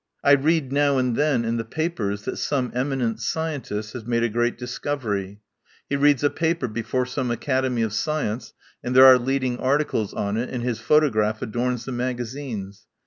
I read now and then in the papers that some eminent scientist has made a great dis covery. He reads a paper before some Acad emy of Science, and there are leading articles on it, and his photograph adorns the maga zines.